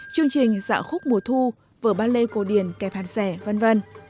chương trình dạo khúc mùa thu vở ballet cổ điển kẹp hàn xẻ v v